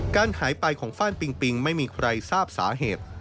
การหายไปของฟ่านปิงปิงไม่มีใครทราบสาเหตุ